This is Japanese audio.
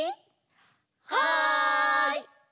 はい！